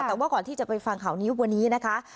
แต่ว่าก่อนที่จะไปฟังข่าวนี้วันนี้นะคะ